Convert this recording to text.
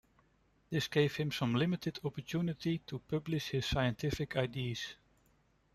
This gave him some limited opportunity to publish his scientific ideas.